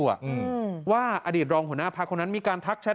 อืมว่าอดีตรองหัวหน้าพักคนนั้นมีการทักแชท